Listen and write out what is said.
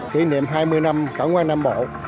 kỷ niệm hai mươi năm khẩn hoan nam bộ